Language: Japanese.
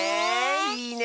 いいね！